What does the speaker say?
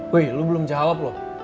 weh lo belum jawab loh